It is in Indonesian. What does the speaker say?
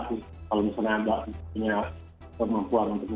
kalau misalnya ada punya kemampuan untuk misalnya bisa berkomate joget